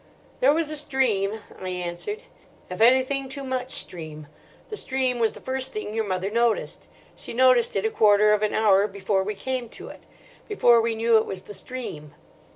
"There was a stream," I answered; "if anything, too much stream. The stream was the first thing your mother noticed. She noticed it a quarter of an hour before we came to it—before we knew it was the stream.